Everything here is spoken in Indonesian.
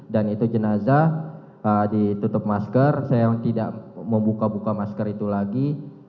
dan itu jenazah ditutup masker saya yang tidak membuka buka masker itu lagi